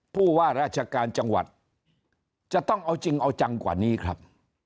ผู้ว่าราชการจังหวัดจะต้องเอาจริงเอาจังกว่านี้ครับ